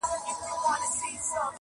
ژوند تېرؤمه خو بېخي راله خوند نه راکوي